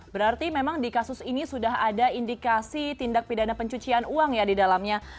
berarti memang di kasus ini sudah ada indikasi tindak pidana pencucian uang ya di dalamnya